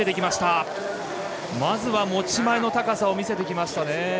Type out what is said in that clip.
まずは持ち前の高さを見せてきました。